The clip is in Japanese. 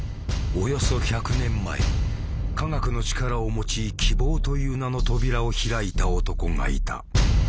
およそ１００年前化学の力を用い希望という名の扉を開いた男がいた。